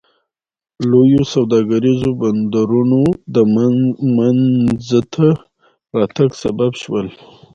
لویو سوداګریزو بندرونو د منځته راتګ سبب شول.